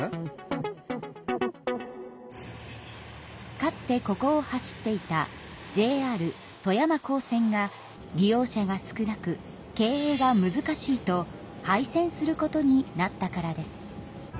かつてここを走っていたＪＲ富山港線が利用者が少なく経営がむずかしいと廃線することになったからです。